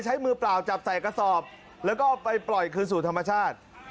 มือเปล่าจับใส่กระสอบแล้วก็ไปปล่อยคืนสู่ธรรมชาติ